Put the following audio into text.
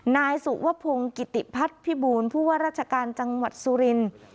นายสุวพงศ์กิติพัฒน์พิบูลผู้ว่าราชการจังหวัดสุรินทร์